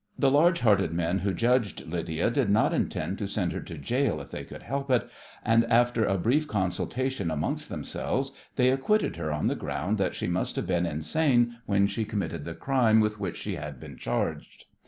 The large hearted men who judged Lydia did not intend to send her to gaol if they could help it, and after a brief consultation amongst themselves they acquitted her on the ground that she must have been insane when she committed the crime with which she had been charged.